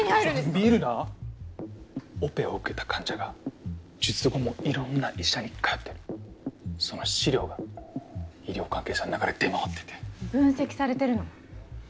見るなオペを受けた患者が術後も色んな医者に通ってるその資料が医療関係者の中で出回ってて分析されてるの？